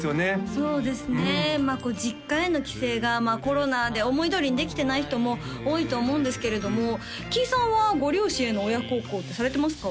そうですね実家への帰省がコロナで思いどおりにできてない人も多いと思うんですけれどもキイさんはご両親への親孝行ってされてますか？